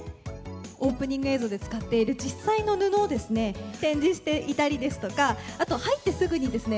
オープニング映像で使っている実際の布をですね展示していたりですとかあと入ってすぐにですね